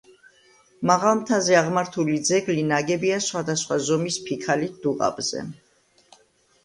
მაღალ მთაზე აღმართული ძეგლი ნაგებია სხვადასხვა ზომის ფიქალით დუღაბზე.